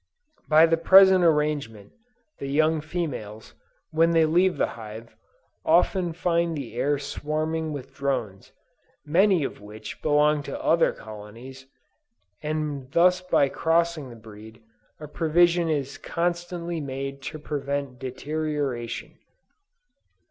By the present arrangement, the young females, when they leave the hive, often find the air swarming with drones, many of which belong to other colonies, and thus by crossing the breed, a provision is constantly made to prevent deterioration.